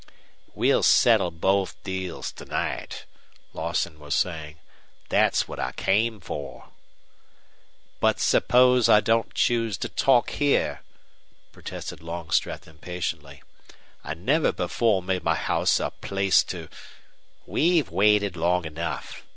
"We'll settle both deals to night," Lawson was saying. "That's what I came for." "But suppose I don't choose to talk here?" protested Longstreth, impatiently. "I never before made my house a place to " "We've waited long enough.